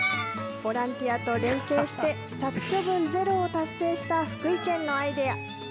ボランティアと連携して、殺処分ゼロを達成した福井県のアイデア。